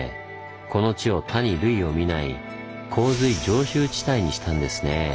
この地を他に類を見ない洪水常襲地帯にしたんですねぇ。